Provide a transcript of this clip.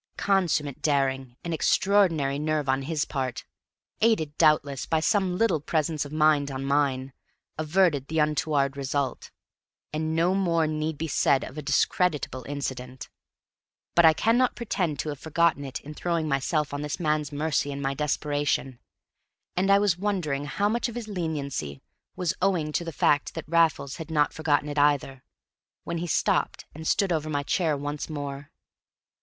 Consummate daring and extraordinary nerve on his part, aided, doubtless, by some little presence of mind on mine, averted the untoward result; and no more need be said of a discreditable incident. But I cannot pretend to have forgotten it in throwing myself on this man's mercy in my desperation. And I was wondering how much of his leniency was owing to the fact that Raffles had not forgotten it either, when he stopped and stood over my chair once more.